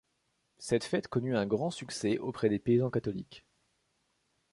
Cette fête connut un grand succès auprès des paysans catholiques.